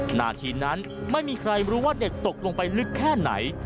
นาทีนั้นไม่มีใครรู้ว่าเด็กตกลงไปลึกแค่ไหน